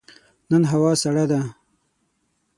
نن هوا سړه ده.